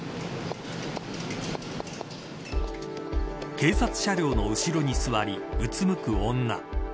警察車両の後ろに座りうつむく女。